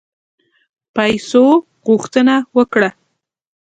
پیسو غوښتنه وکړه.